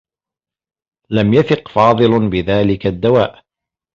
لم يثق فاضل بذلك الدّواء.